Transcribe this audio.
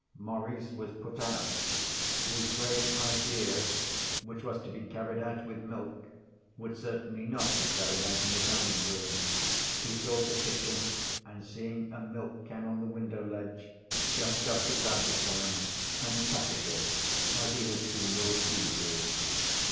Maurice was put out. His great idea, which was to be carried out with milk, would certainly not be carried out in the dining room. He sought the kitchen, and, seeing a milk can on the window ledge, jumped up beside the can and patted it as he had seen Lord Hugh do.